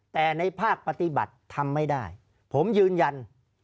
แต่ในภาคปฏิบัติทำไม่ได้ผมยืนยัน